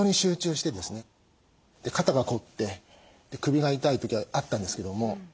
肩が凝って首が痛い時あったんですけども。